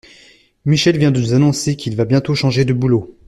Michel vient de nous annoncer qu'il va bientôt changer de boulot.